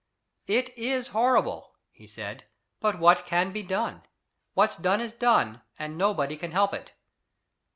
"It IS horrible," he said. "But what can be done? What's done is done, and nobody can help it."